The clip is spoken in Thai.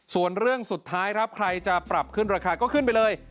ส่วนเรื่องสุดท้ายครับใครจะปรับขึ้นราคาก็ขึ้นไปเลย